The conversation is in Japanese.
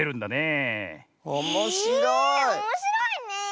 えおもしろいねえ！